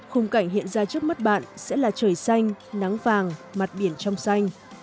khung cảnh hiện ra trước mắt bạn sẽ là trời xanh nắng vàng mặt biển trong xanh